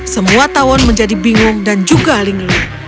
semua tawon menjadi bingung dan juga lingin